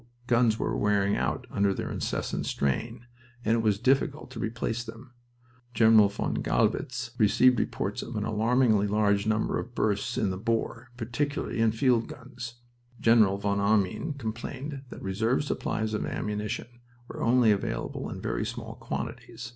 Guns were wearing out under this incessant strain, and it was difficult to replace them. General von Gallwitz received reports of "an alarmingly large number of bursts in the bore, particularly in field guns." General von Arnim complained that "reserve supplies of ammunition were only available in very small quantities."